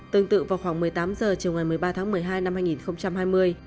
tương tự vào khoảng một mươi tám h chiều ngày một mươi ba tháng một mươi hai năm hai nghìn hai mươi